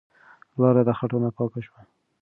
لار د خټو نه پاکه شوه.